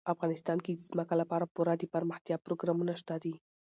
افغانستان کې د ځمکه لپاره پوره دپرمختیا پروګرامونه شته دي.